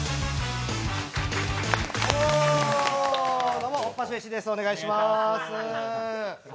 どうも、オッパショ石ですお願いします。